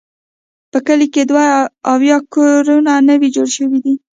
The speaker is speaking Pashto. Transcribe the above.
په کلي کې دوه اویا کورونه نوي جوړ شوي دي.